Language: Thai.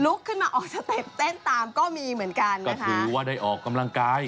ขึ้นมาออกสเต็ปเต้นตามก็มีเหมือนกันนะคะถือว่าได้ออกกำลังกาย